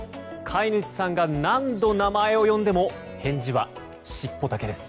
飼い主さんが何度名前を呼んでも返事は尻尾だけです。